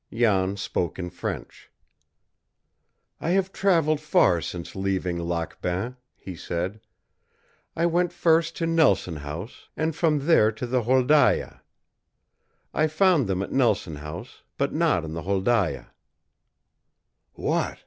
Jan spoke in French. "I have traveled far since leaving Lac Bain," he said. "I went first to Nelson House, and from here to the Wholdaia. I found them at Nelson House, but not on the Wholdaia." "What?"